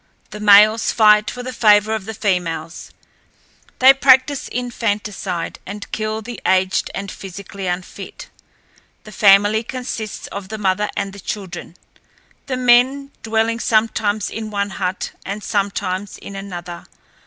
The males fight for the favor of the females. They practice infanticide, and kill the aged and physically unfit. The family consists of the mother and the children, the men dwelling sometimes in one hut and sometimes in another.